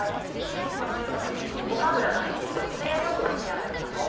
このようにごま油が入っているのでツヤよく仕上がりますね。